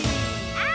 あ。